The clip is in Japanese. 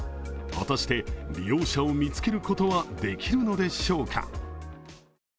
果たして、利用者を見つけることはできるのでしょうか。